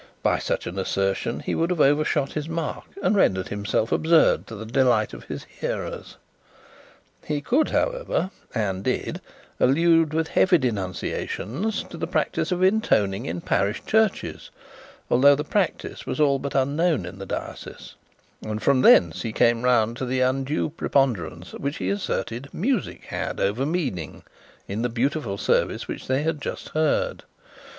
By such an assertion, he would have overshot his mark and rendered himself absurd, to the delight of his hearers. He could, however, and did, allude with heavy denunciations to the practice of intoning in parish churches, although the practice was not but unknown in the diocese; and from thence he came round to the undue preponderance, which he asserted, music over meaning in the beautiful service which they had just heard.